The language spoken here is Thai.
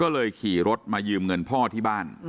ก็เลยขี่รถมายืมเงินพ่อที่บ้าน